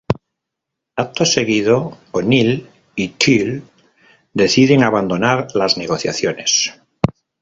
Acto seguido O'Neill y Teal'c deciden abandonar las negociaciones.